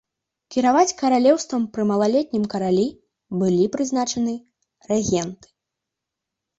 Кіраваць каралеўствам пры малалетнім каралі былі прызначаны рэгенты.